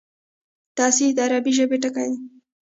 تصحیح د عربي ژبي ټکی دﺉ.